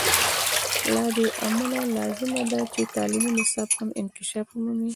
له دې امله لازمه ده چې تعلیمي نصاب هم انکشاف ومومي.